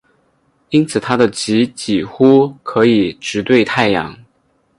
因此它的极几乎可以直对太阳。